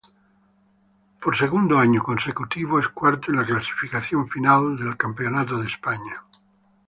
Por segundo año consecutivo es cuarto en la clasificación final del campeonato de España.